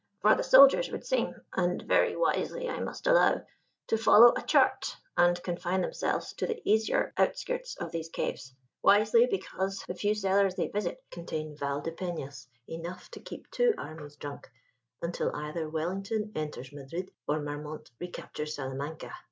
For the soldiers would seem and very wisely, I must allow to follow a chart and confine themselves to the easier outskirts of these caves. Wisely, because the few cellars they visit contain Val de Penas enough to keep two armies drunk until either Wellington enters Madrid or Marmont recaptures Salamanca.